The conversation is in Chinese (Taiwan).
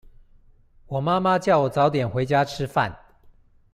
我媽叫我早點回家吃飯